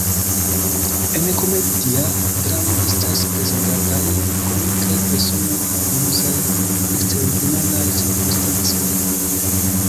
En komedia dramo estas prezentataj komikaj personoj aŭ amuzaj eksterordinaraj cirkonstancoj.